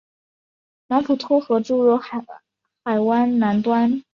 马普托河注入海湾南端。